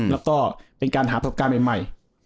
แล้วก็เป็นการหาประสบการณ์ใหม่